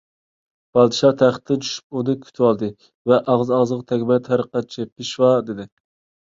پادىشاھ تەختتىن چۈشۈپ ئۇنى كۈتۈۋالدى ۋە ئاغزى - ئاغزىغا تەگمەي: «تەرىقەتچى پېشۋا!» دېدى.